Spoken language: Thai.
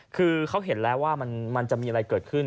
คือเขาเห็นแล้วว่ามันจะมีอะไรเกิดขึ้น